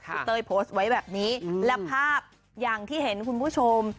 คุณเต้ยโพสต์ไว้แบบนี้และภาพอย่างที่เห็นคุณผู้ชม